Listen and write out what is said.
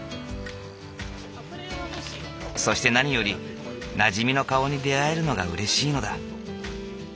そして何よりなじみの顔に出会えるのがうれしいのだ。